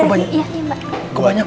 gak banyak banget temennya elsa